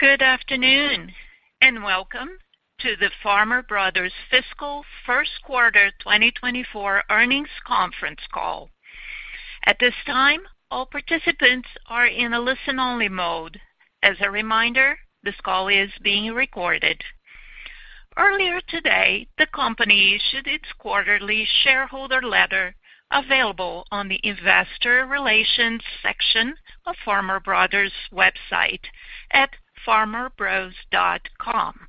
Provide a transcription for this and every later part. Good afternoon, and welcome to the Farmer Brothers Fiscal First Quarter 2024 Earnings Conference Call. At this time, all participants are in a listen-only mode. As a reminder, this call is being recorded. Earlier today, the company issued its quarterly shareholder letter, available on the investor relations section of Farmer Brothers' website at farmerbros.com.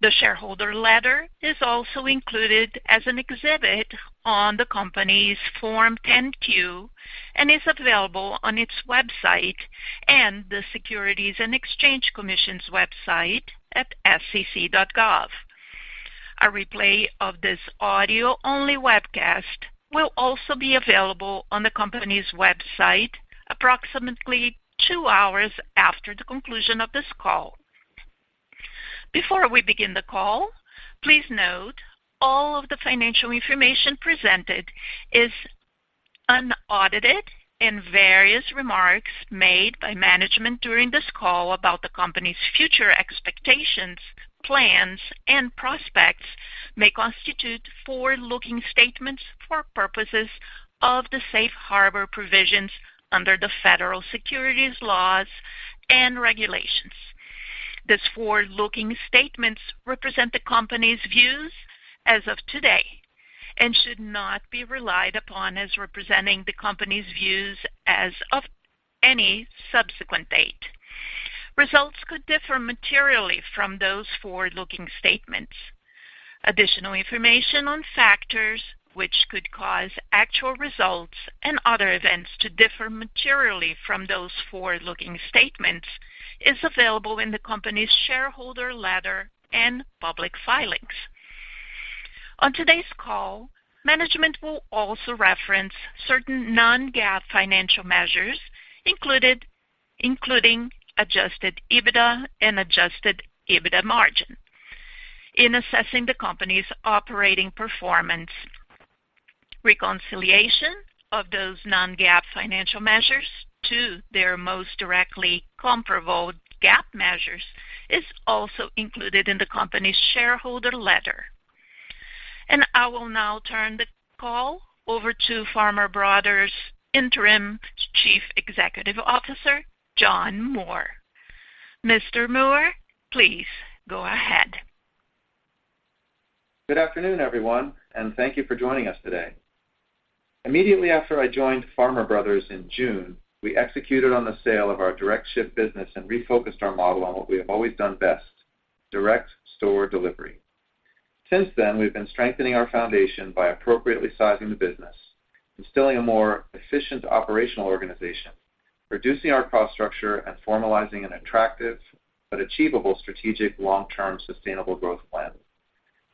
The shareholder letter is also included as an exhibit on the company's Form 10-Q and is available on its website and the Securities and Exchange Commission's website at sec.gov. A replay of this audio-only webcast will also be available on the company's website approximately two hours after the conclusion of this call. Before we begin the call, please note all of the financial information presented is unaudited, and various remarks made by management during this call about the company's future expectations, plans, and prospects may constitute forward-looking statements for purposes of the safe harbor provisions under the federal securities laws and regulations. These forward-looking statements represent the company's views as of today and should not be relied upon as representing the company's views as of any subsequent date. Results could differ materially from those forward-looking statements. Additional information on factors which could cause actual results and other events to differ materially from those forward-looking statements is available in the company's shareholder letter and public filings. On today's call, management will also reference certain non-GAAP financial measures, including adjusted EBITDA and adjusted EBITDA margin. In assessing the company's operating performance, reconciliation of those non-GAAP financial measures to their most directly comparable GAAP measures is also included in the company's shareholder letter. I will now turn the call over to Farmer Brothers' Interim Chief Executive Officer, John Moore. Mr. Moore, please go ahead. Good afternoon, everyone, and thank you for joining us today. Immediately after I joined Farmer Brothers in June, we executed on the sale of our direct ship business and refocused our model on what we have always done best, direct store delivery. Since then, we've been strengthening our foundation by appropriately sizing the business, instilling a more efficient operational organization, reducing our cost structure, and formalizing an attractive but achievable strategic, long-term, sustainable growth plan.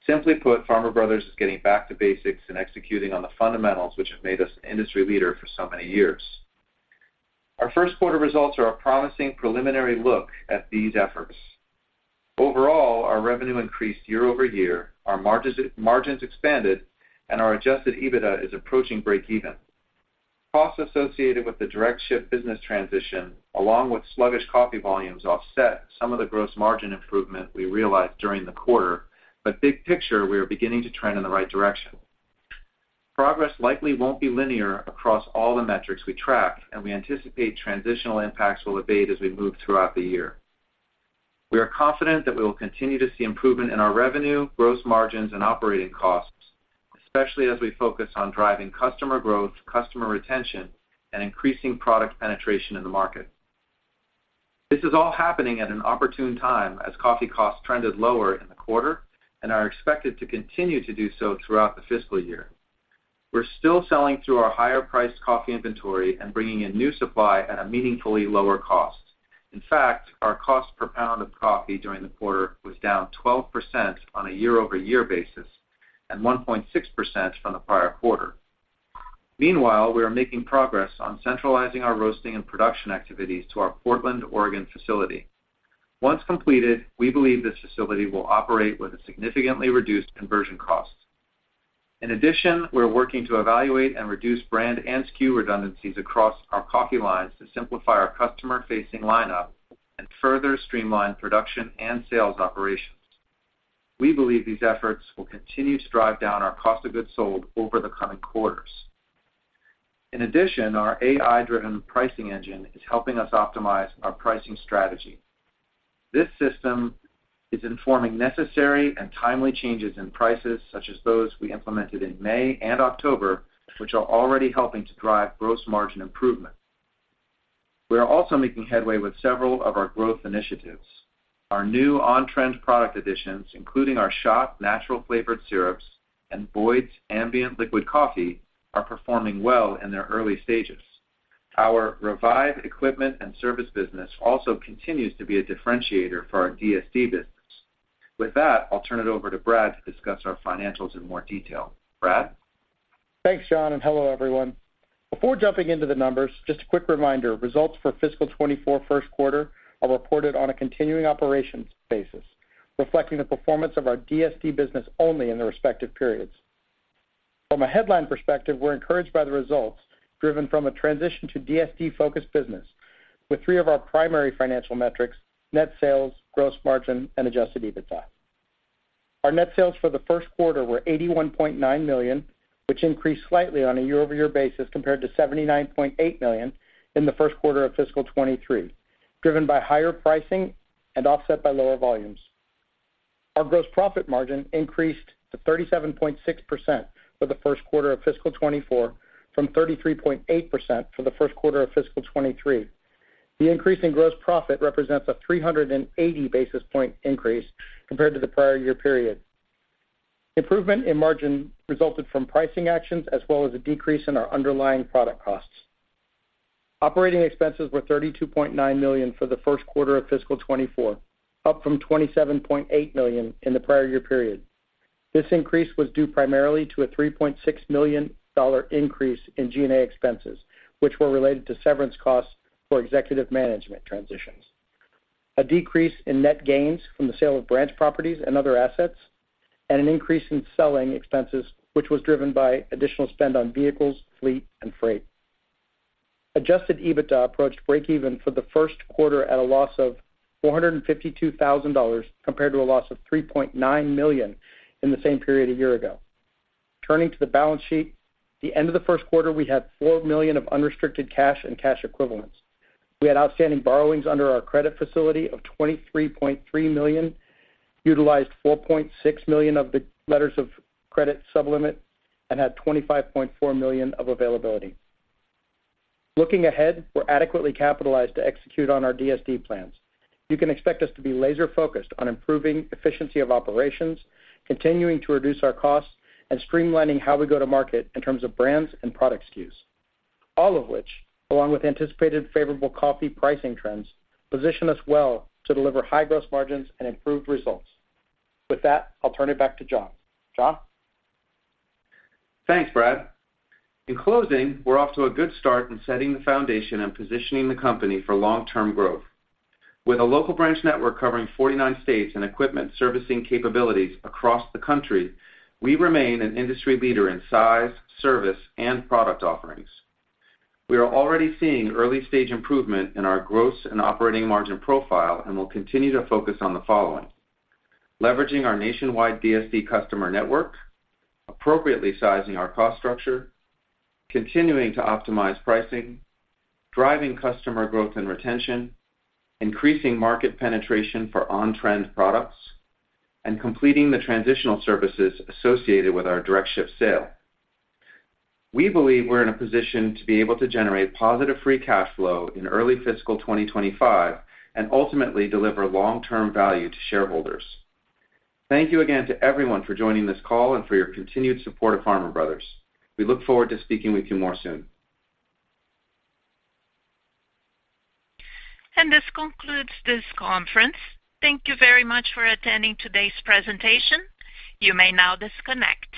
Simply put, Farmer Brothers is getting back to basics and executing on the fundamentals, which have made us an industry leader for so many years. Our first quarter results are a promising preliminary look at these efforts. Overall, our revenue increased year-over-year, our margins, margins expanded, and our Adjusted EBITDA is approaching breakeven. Costs associated with the direct ship business transition, along with sluggish coffee volumes, offset some of the gross margin improvement we realized during the quarter, but big picture, we are beginning to trend in the right direction. Progress likely won't be linear across all the metrics we track, and we anticipate transitional impacts will abate as we move throughout the year. We are confident that we will continue to see improvement in our revenue, gross margins, and operating costs, especially as we focus on driving customer growth, customer retention, and increasing product penetration in the market. This is all happening at an opportune time, as coffee costs trended lower in the quarter and are expected to continue to do so throughout the fiscal year. We're still selling through our higher-priced coffee inventory and bringing in new supply at a meaningfully lower cost. In fact, our cost per pound of coffee during the quarter was down 12% on a year-over-year basis and 1.6% from the prior quarter. Meanwhile, we are making progress on centralizing our roasting and production activities to our Portland, Oregon, facility. Once completed, we believe this facility will operate with a significantly reduced conversion cost. In addition, we're working to evaluate and reduce brand and SKU redundancies across our coffee lines to simplify our customer-facing lineup and further streamline production and sales operations. We believe these efforts will continue to drive down our cost of goods sold over the coming quarters. In addition, our AI-driven pricing engine is helping us optimize our pricing strategy. This system is informing necessary and timely changes in prices, such as those we implemented in May and October, which are already helping to drive gross margin improvement. We are also making headway with several of our growth initiatives. Our new on-trend product additions, including our SHOTT natural flavored syrups, and Boyd's ambient liquid coffee, are performing well in their early stages. Our Revive equipment and service business also continues to be a differentiator for our DSD business. With that, I'll turn it over to Brad to discuss our financials in more detail. Brad? Thanks, John, and hello, everyone. Before jumping into the numbers, just a quick reminder, results for fiscal 2024 first quarter are reported on a continuing operations basis, reflecting the performance of our DSD business only in the respective periods. From a headline perspective, we're encouraged by the results, driven from a transition to DSD-focused business, with three of our primary financial metrics: net sales, gross margin, and Adjusted EBITDA. Our net sales for the first quarter were $81.9 million, which increased slightly on a year-over-year basis compared to $79.8 million in the first quarter of fiscal 2023, driven by higher pricing and offset by lower volumes. Our gross profit margin increased to 37.6% for the first quarter of fiscal 2024, from 33.8% for the first quarter of fiscal 2023. The increase in gross profit represents a 380 basis point increase compared to the prior year period. Improvement in margin resulted from pricing actions as well as a decrease in our underlying product costs. Operating expenses were $32.9 million for the first quarter of fiscal 2024, up from $27.8 million in the prior year period. This increase was due primarily to a $3.6 million increase in G&A expenses, which were related to severance costs for executive management transitions, a decrease in net gains from the sale of branch properties and other assets, and an increase in selling expenses, which was driven by additional spend on vehicles, fleet, and freight. Adjusted EBITDA approached breakeven for the first quarter at a loss of $452,000, compared to a loss of $3.9 million in the same period a year ago. Turning to the balance sheet, the end of the first quarter, we had $4 million of unrestricted cash and cash equivalents. We had outstanding borrowings under our credit facility of $23.3 million, utilized $4.6 million of the letters of credit sublimit, and had $25.4 million of availability. Looking ahead, we're adequately capitalized to execute on our DSD plans. You can expect us to be laser-focused on improving efficiency of operations, continuing to reduce our costs, and streamlining how we go to market in terms of brands and product SKUs, all of which, along with anticipated favorable coffee pricing trends, position us well to deliver high gross margins and improved results. With that, I'll turn it back to John. John? Thanks, Brad. In closing, we're off to a good start in setting the foundation and positioning the company for long-term growth. With a local branch network covering 49 states and equipment servicing capabilities across the country, we remain an industry leader in size, service, and product offerings. We are already seeing early-stage improvement in our gross and operating margin profile and will continue to focus on the following: leveraging our nationwide DSD customer network, appropriately sizing our cost structure, continuing to optimize pricing, driving customer growth and retention, increasing market penetration for on-trend products, and completing the transitional services associated with our direct ship sale. We believe we're in a position to be able to generate positive free cash flow in early fiscal 2025 and ultimately deliver long-term value to shareholders. Thank you again to everyone for joining this call and for your continued support of Farmer Brothers. We look forward to speaking with you more soon. This concludes this conference. Thank you very much for attending today's presentation. You may now disconnect.